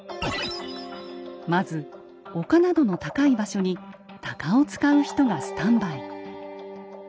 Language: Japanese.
まず丘などの高い場所に鷹を使う人がスタンバイ。